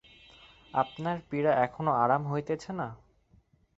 আপনার পীড়া এখনও আরাম হইতেছে না।